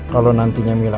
kalau nantinya mila ada